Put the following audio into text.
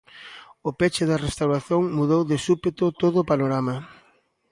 O peche da restauración mudou de súpeto todo o panorama.